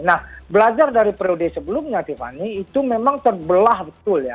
nah belajar dari periode sebelumnya tiffany itu memang terbelah betul ya